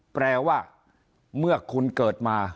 แปลว่าเมื่อคุณเกิดมา